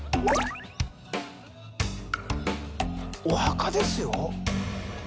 お墓ですよ。